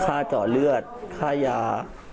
ค้าจอเลือดค้ายา